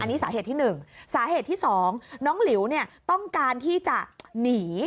อันนี้สาเหตุที่หนึ่งสาเหตุที่สองน้องหลิวเนี่ยต้องการที่จะหนี